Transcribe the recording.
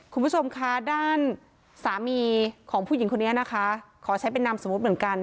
คุณผู้ชมคะด้านสามีของผู้หญิงคนนี้นะคะขอใช้เป็นนามสมมุติเหมือนกัน